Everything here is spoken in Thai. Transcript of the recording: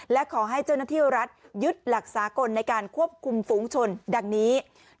และขอให้เจ้าหน้าที่รัฐยึดหลักสากลในการควบคุมฝูงชนดังนี้